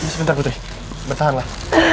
sebentar putri bertahanlah